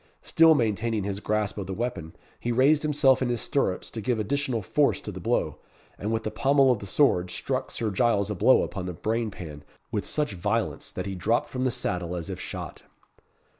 Still maintaining his grasp of the weapon, he raised himself in his stirrups to give additional force to the blow, and with the pummel of the sword, struck Sir Giles a blow upon the brainpan with such violence, that he dropped from the saddle as if shot.